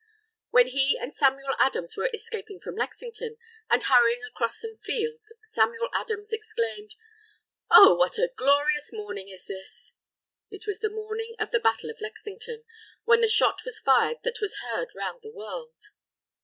While he and Samuel Adams were escaping from Lexington and hurrying across some fields Samuel Adams exclaimed: "Oh, what a glorious morning is this!" It was the morning of the Battle of Lexington, when the shot was fired that was heard round the world.